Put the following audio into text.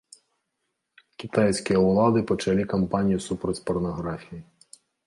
Кітайскія ўлады пачалі кампанію супраць парнаграфіі.